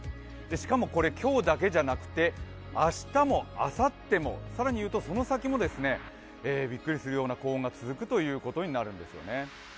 しかも今日だけじゃなくて、明日もあさっても、更に言うとその先もびっくりするような高温が続くということになるんですよね。